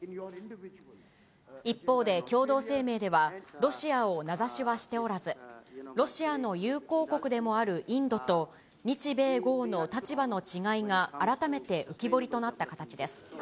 一方で共同声明では、ロシアを名指しはしておらず、ロシアの友好国でもあるインドと、日米豪の立場の違いが改めて浮き彫りとなった形です。